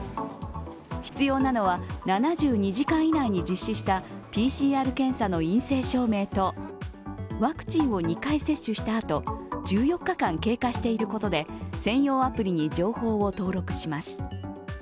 必要なのは７２時間以内に実施したＰＣＲ検査の陰性証明とワクチンを２回接種したあと、１４日間経過していることで専用アプリに情報を登録します。